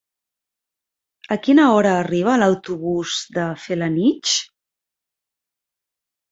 A quina hora arriba l'autobús de Felanitx?